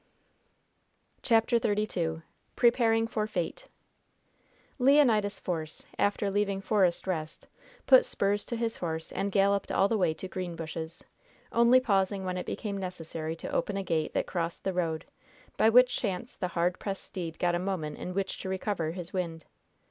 CHAPTER XXXII PREPARING FOR FATE Leonidas Force, after leaving Forest Rest, put spurs to his horse and galloped all the way to Greenbushes, only pausing when it became necessary to open a gate that crossed the road, by which chance the hard pressed steed got a moment in which to recover his wind.